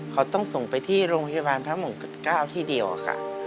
เขาต้องส่งไปที่โรงพยาบาลพระมงกุฎ๙ที่เดียวค่ะ